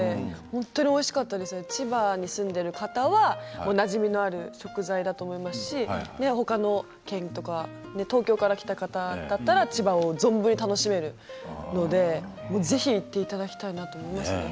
本当においしかったですが千葉に住んでいる方はおなじみの食材だと思いますし他の県や東京から来た方は千葉を存分に楽しめるのでぜひ行っていただきたいなと思いますね。